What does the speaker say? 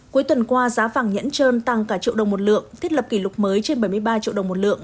cuối tuần qua giá vàng nhẫn trơn tăng cả triệu đồng một lượng thiết lập kỷ lục mới trên bảy mươi ba triệu đồng một lượng